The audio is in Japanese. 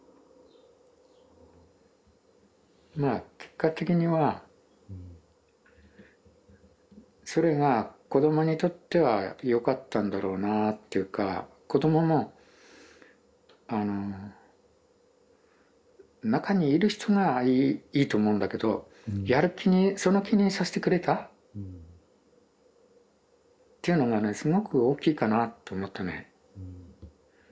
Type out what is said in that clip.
まあ結果的にはそれが子どもにとってはよかったんだろうなぁっていうか子どももあの中にいる人がいいと思うんだけどやる気にその気にさせてくれたっていうのがねすごく大きいかなと思ったね。